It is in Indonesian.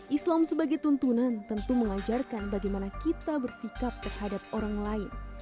islam sebagai tuntunan tentu mengajarkan bagaimana kita bersikap terhadap orang lain